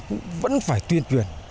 mình cũng vẫn phải tuyên truyền